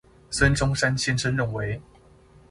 孫中山先生認為